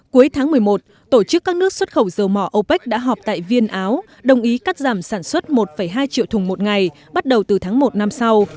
cuối tháng một mươi một tổ chức các nước xuất khẩu dầu mỏ opec đã họp tại viên áo đồng ý cắt giảm sản xuất một hai triệu thùng một ngày bắt đầu từ tháng một năm sau